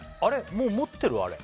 もう持ってるあれ？